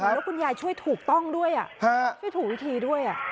เหมือนว่าคุณยายช่วยถูกป้องด้วยอ่ะช่วยถูกวิธีด้วยอ่ะ